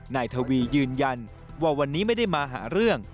นายทวียืนยันว่าวันนี้ไม่ได้มาหาเรื่อง